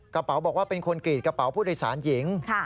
กระเป๋าบอกว่าเป็นคนกรีดกระเป๋าพูดในสารหญิง